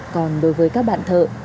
còn đối với các bạn thợ